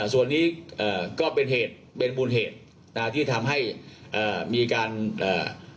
ส่วนนี้เอ่อก็เป็นเหตุเป็นมูลเหตุนะฮะที่ทำให้เอ่อมีการเอ่อ